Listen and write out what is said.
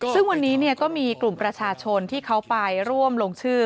ซึ่งวันนี้ก็มีกลุ่มประชาชนที่เขาไปร่วมลงชื่อ